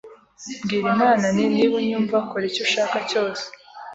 mbwira Imana nti niba unyumva kora icyo ushaka cyose